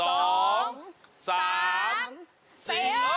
พรุ่งนี้๕สิงหาคมจะเป็นของใคร